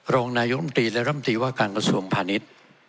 รองนายกรรมตรีและรัมตรีว่าการกระทรวงผ่านิต